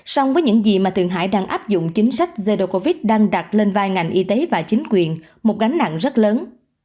song với những gì mà thượng hải đang áp dụng chính sách zero covid đang đặt lên vai ngành y tế và chính quyền một gánh nặng rất lớn